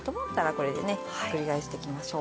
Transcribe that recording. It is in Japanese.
これでねひっくり返していきましょう。